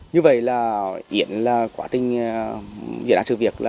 như vậy là yến quá trình diễn ra sự việc